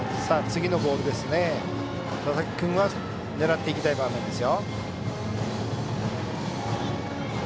次のボールを佐々木君は狙っていきたい場面です。